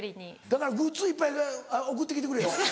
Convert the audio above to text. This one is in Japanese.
だからグッズいっぱい送って来てくれよ。